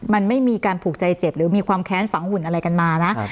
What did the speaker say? มันไม่มีการผูกใจเจ็บหรือมีความแค้นฝังหุ่นอะไรกันมานะ